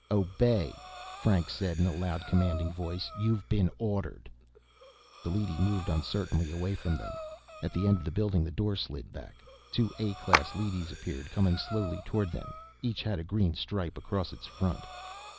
"Obey!" Franks said in a loud, commanding voice. "You've been ordered!" The leady moved uncertainly away from them. At the end of the building, a door slid back. Two A class leadys appeared, coming slowly toward them. Each had a green stripe across its front.